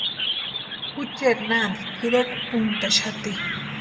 Jucheri nanti tirekwa úntaxati.